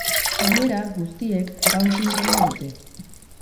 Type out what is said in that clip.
Gainera, guztiek down sindromea dute.